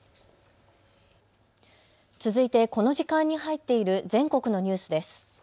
続いてこの時間に入っている全国のニュースです。